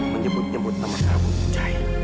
menyebut nyebut nama prabu wijaya